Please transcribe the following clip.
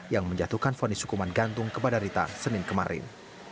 yang menjatuhkan poni suku man gantung kepada rita senin kemarin